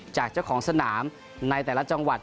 จากเจ้าของสนามในแต่ละจังหวัด